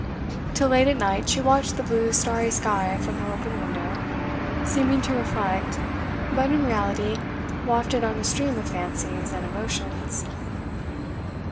Till late at night she watched the blue starry sky from her open window, seeming to reflect, but in reality wafted on a stream of fancies and emotions.